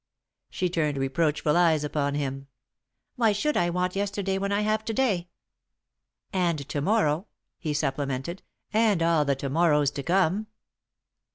She turned reproachful eyes upon him. "Why should I want yesterday when I have to day?" "And to morrow," he supplemented, "and all the to morrows to come."